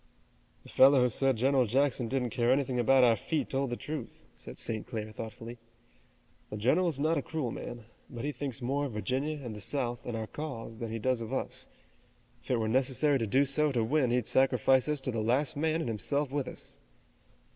"The fellow who said General Jackson didn't care anything about our feet told the truth," said St. Clair, thoughtfully. "The general is not a cruel man, but he thinks more of Virginia and the South, and our cause, than he does of us. If it were necessary to do so to win he'd sacrifice us to the last man and himself with us."